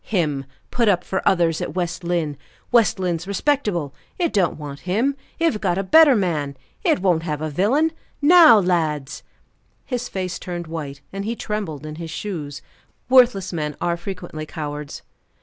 Him put up for others at West Lynne! West Lynne's respectable, it don't want him; it have got a better man; it won't have a villain. Now, lads!" His face turned white, and he trembled in his shoes worthless men are frequently cowards.